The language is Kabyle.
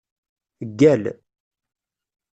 Ggal.